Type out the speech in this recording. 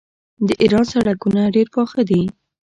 د ایران سړکونه ډیر پاخه دي.